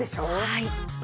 はい。